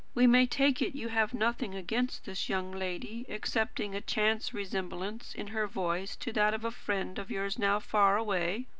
We may take it you have nothing against this young lady excepting a chance resemblance in her voice to that of a friend of yours now far away.